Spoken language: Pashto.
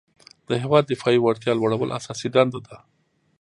د هیواد دفاعي وړتیا لوړول اساسي دنده ده.